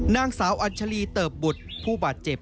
นางสาวอัญชาลีเติบบุตรผู้บาดเจ็บ